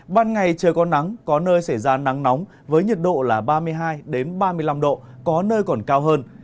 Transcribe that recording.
ban ngày trời có nắng có nơi xảy ra nắng nóng với nhiệt độ là ba mươi hai ba mươi năm độ có nơi còn cao hơn